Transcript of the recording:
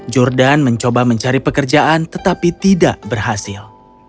jordan mencoba mencari pekerjaan tetapi tidak berhasil